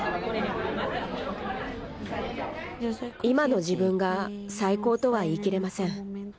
今の自分が最高とは言い切れません。